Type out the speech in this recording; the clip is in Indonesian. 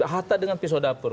harta dengan pisau dapur